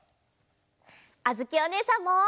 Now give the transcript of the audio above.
あづきおねえさんも！